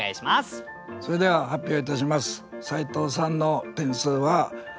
それでは発表いたします。